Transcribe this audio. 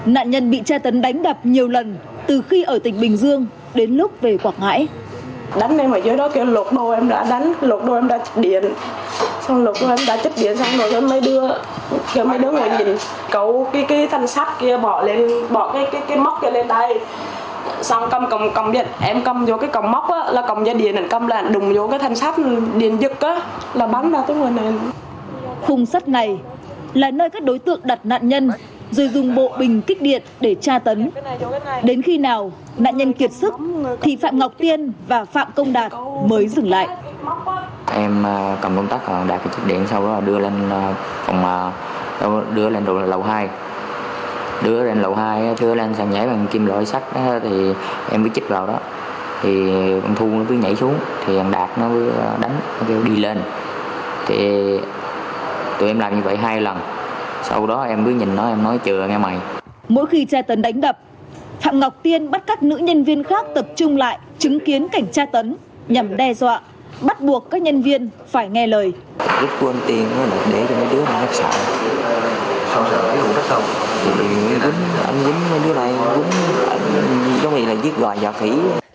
mỗi khi tra tấn đánh đập phạm ngọc tiên bắt các nữ nhân viên khác tập trung lại chứng kiến cảnh tra tấn nhằm đe dọa bắt buộc các nhân viên phải nghe lời